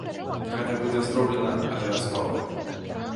Гэта будзе зроблена абавязкова.